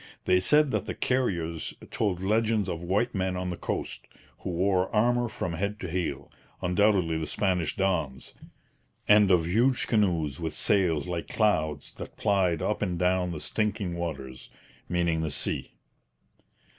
They said that the Carriers told legends of 'white men on the coast, who wore armour from head to heel' undoubtedly the Spanish dons and of 'huge canoes with sails like clouds' that plied up and down 'the stinking waters' meaning the sea.